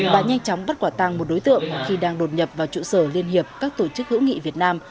và nhanh chóng bắt quả tăng một đối tượng khi đang đột nhập vào trụ sở liên hiệp các tổ chức hữu nghị việt nam